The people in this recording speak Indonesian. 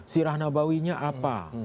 sirah nabawinya apa